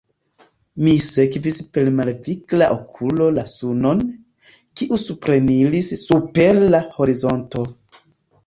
Mi sekvis per malvigla okulo la sunon, kiu supreniris super la horizonto.